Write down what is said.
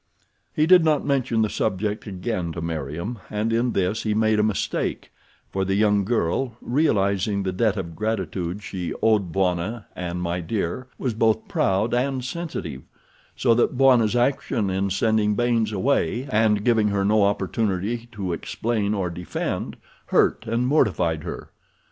He did not mention the subject again to Meriem, and in this he made a mistake, for the young girl, while realizing the debt of gratitude she owed Bwana and My Dear, was both proud and sensitive, so that Bwana's action in sending Baynes away and giving her no opportunity to explain or defend hurt and mortified her.